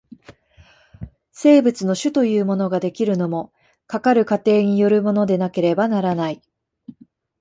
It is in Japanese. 生物の種というものが出来るのも、かかる過程によるものでなければならない。